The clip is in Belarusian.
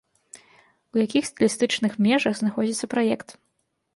У якіх стылістычных межах знаходзіцца праект?